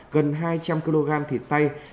gần hai trăm linh kg thịt xay